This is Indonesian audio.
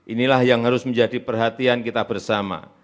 inilah yang harus menjadi perhatian kita bersama